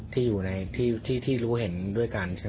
ที่อยู่ในที่รู้เห็นด้วยกันใช่ไหม